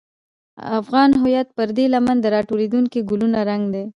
افغان هویت پر دې لمن د راټوکېدونکو ګلونو رنګ دی.